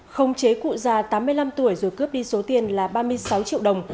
không chế cụ già tám mươi năm tuổi rồi cướp đi số tiền là ba mươi sáu triệu đồng